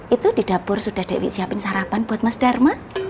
itu di dapur sudah dewi siapin sarapan buat mas dharma